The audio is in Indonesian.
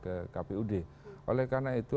ke kpud oleh karena itu